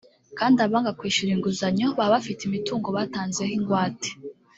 kandi abanga kwishyura inguzanyo baba bafite imitungo batanzeho ingwate